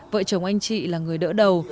vợ chồng anh chị là người đỡ đầu